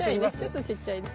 ちょっとちっちゃいね。